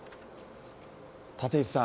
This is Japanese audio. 立石さん。